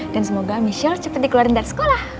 dan semoga michelle cepet dikeluarin dari sekolah